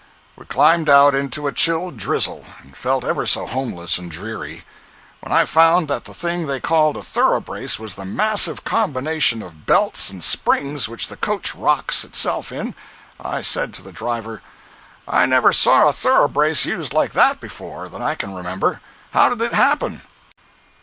We climbed out into a chill drizzle, and felt ever so homeless and dreary. When I found that the thing they called a "thoroughbrace" was the massive combination of belts and springs which the coach rocks itself in, I said to the driver: "I never saw a thoroughbrace used up like that, before, that I can remember. How did it happen?"